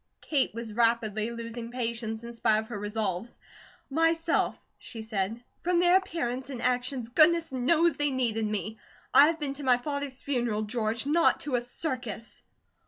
Kate was rapidly losing patience in spite of her resolves. "Myself," she said. "From their appearance and actions, goodness knows they needed me. I have been to my father's funeral, George; not to a circus."